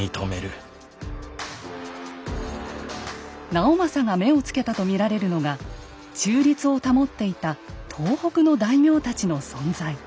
直政が目をつけたと見られるのが中立を保っていた東北の大名たちの存在。